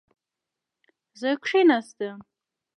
زه کښېناستم